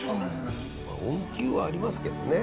温灸はありますけどね。